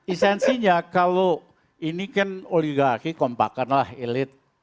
esensinya kalau ini kan oligarki kompakanlah elit